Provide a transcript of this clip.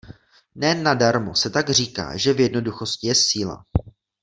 Ne nadarmo se tak říká, že v jednoduchosti je síla.